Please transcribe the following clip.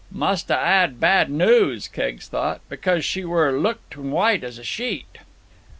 "Must 'a' 'ad bad noos," Keggs thought, "because she were look'n' white as a sheet."